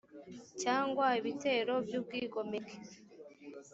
cyangwa ibitero by ubwigomeke